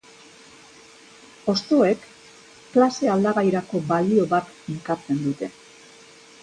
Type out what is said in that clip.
Hostoek klase-aldagairako balio bat finkatzen dute.